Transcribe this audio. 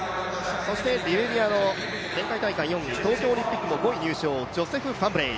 そしてリベリアの前回大会入賞、オリンピックも５位入賞のジョセフ・ファンブレー。